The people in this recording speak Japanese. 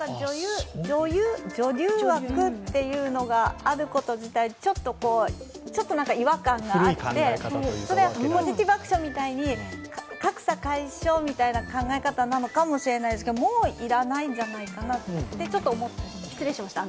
女流枠というのがあること自体、ちょっと違和感があって、それはポジティブアクションみたいに、格差解消みたいな考え方なのかもしれないけどもう要らないんじゃないかなってちょっと思いました。